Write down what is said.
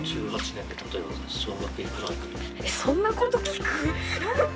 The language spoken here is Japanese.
１８年で、そんなこと聞く？